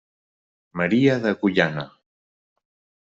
Maria d'Agullana.